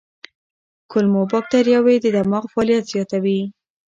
کولمو بکتریاوې د دماغ فعالیت زیاتوي.